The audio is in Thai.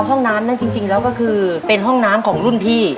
ห้องน้ำนั่นจริงแล้วก็คือเป็นห้องน้ำของรุ่นพี่